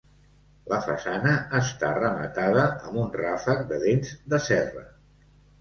La façana està rematada amb un ràfec de dents de serra.